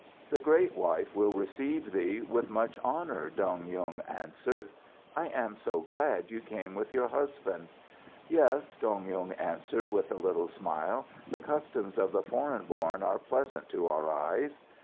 "The great wife will receive thee with much honour," Dong Yung answered. "I am so glad you came with your husband." "Yes," Dong Yung answered, with a little smile. "The customs of the foreign born are pleasant to our eyes."